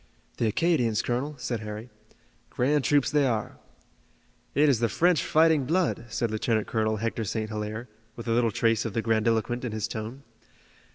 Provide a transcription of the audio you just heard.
"The Acadians, colonel," said Harry. "Grand troops they are." "It is the French fighting blood," said Lieutenant Colonel Hector St. Hilaire, with a little trace of the grandiloquent in his tone.